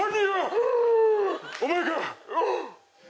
お前か！